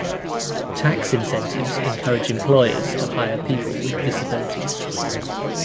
Tax incentives encourage employers to hire people with disabilities.